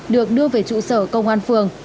được đưa về trụ sở công an phường